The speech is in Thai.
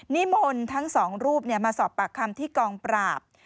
นิมนต์ทั้งสองรูปมาสอบปากคำที่กองปราบ